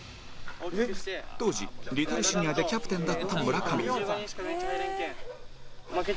当時リトルシニアでキャプテンだった村上